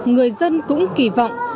người dân cũng kỳ vọng